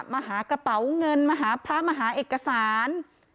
มาหากระเป๋าเงินมาหาพระมาหาเอกสาร